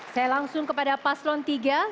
saya langsung kepada paslon tiga